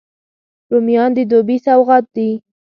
رومیان د دوبي سوغات دي